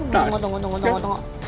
tunggu tunggu tunggu